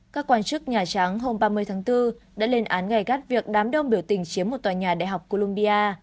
các quan chức nhà trắng hôm ba mươi tháng bốn đã lên án ngày gắt việc đám đông biểu tình chiếm một tòa nhà đại học columbia